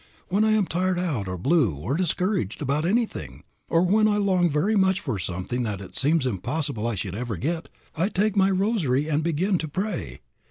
When I am tired out, or blue or discouraged about anything; or when I long very much for something that it seems impossible I should ever get, I take my rosary and begin to pray.